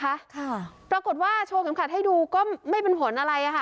ค่ะปรากฏว่าโชว์เข็มขัดให้ดูก็ไม่เป็นผลอะไรอ่ะค่ะ